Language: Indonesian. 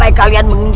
aku akan menemukanmu